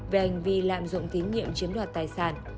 về hành vi lạm dụng tín nhiệm chiếm đoạt tài sản